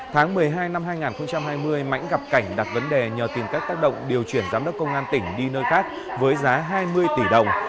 tháng một mươi hai năm hai nghìn hai mươi mãnh gặp cảnh đặt vấn đề nhờ tìm cách tác động điều chuyển giám đốc công an tỉnh đi nơi khác với giá hai mươi tỷ đồng